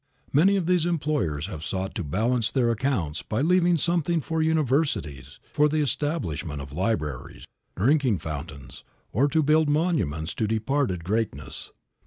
Many of these employers have sought to balance their accounts by leaving something for universities, for the establishment of libraries, drinking fountains, or to build monuments to departed greatness.